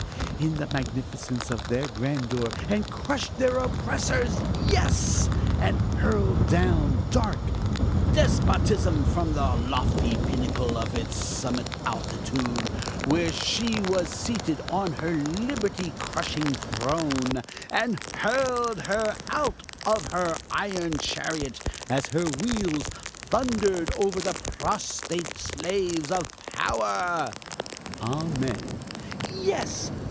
in the magnificence of their grandeur, and crushed their oppressors! yes! and hurled down dark despotism from the lofty pinnacle of its summit altitude, where she was seated on her liberty crushing throne, and hurled her out of her iron chariot, as her wheels thundered over the prostrate slaves of power! (Amen) Yes!